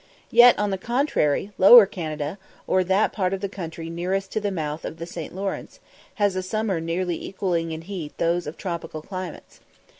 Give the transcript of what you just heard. Yet, on the contrary, Lower Canada, or that part of the country nearest to the mouth of the St. Lawrence, has a summer nearly equalling in heat those of tropical climates.